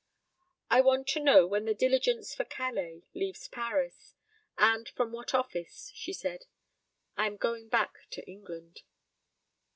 "I want to know when the diligence for Calais leaves Paris, and from what office," she said. "I am going back to England."